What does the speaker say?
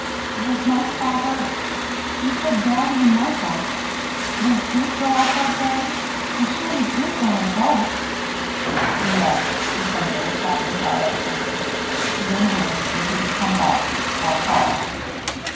"Was my father you said daddy and Michael they did go out that day? They surely did go in the boat?" "Yes," returned Old Captain, sorrowfully. "They went and they didn't come back. That's all."